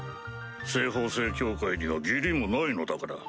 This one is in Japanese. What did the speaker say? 西方聖教会には義理もないのだから。